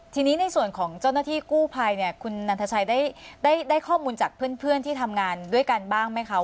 ทีนี้ในส่วนของเจ้าหน้าที่กู้ภัยเนี่ยคุณนันทชัยได้ข้อมูลจากเพื่อนที่ทำงานด้วยกันบ้างไหมคะ